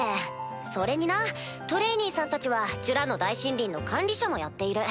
それになトレイニーさんたちはジュラの大森林の管理者もやっている。